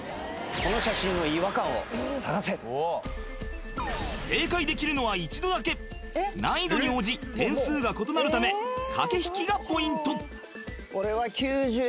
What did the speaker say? この写真の違和感を探せ正解できるのは１度だけ難易度に応じ点数が異なるため駆け引きがポイント